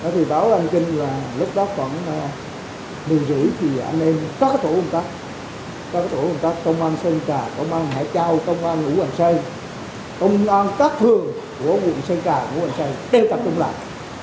thì báo đoàn kinh là lúc đó khoảng một mươi rưỡi thì anh em các thủ công tác các thủ công tác công an sơn trà công an hải châu công an hữu hành sơn công an cát thường của bộ sơn trà hữu hành sơn đều tập trung lại